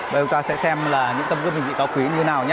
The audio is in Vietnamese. bây giờ chúng ta sẽ xem là những tâm gương bình dị cao quý như thế nào nhé